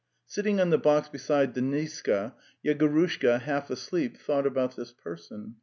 Sitting on the box beside Deniska, Yego rushka, half asleep, thought about this person.